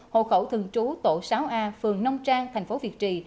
hộ khẩu thường trú tổ sáu a phường nông trang thành phố việt trì